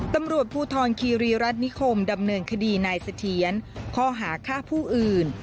ตำรวจภูทรคีรีรัฐนิคมดำเนินคดีนายเสถียรข้อหาฆ่าผู้อื่น